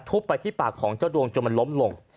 ไปที่ปากของเจ้าดวงจนมันล้มลง